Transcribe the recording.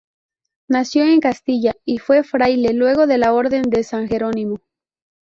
Nació en Castilla y fue fraile lego de la Orden de San Jerónimo.